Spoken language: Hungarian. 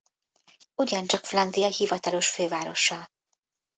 Ugyancsak Flandria hivatalos fővárosa.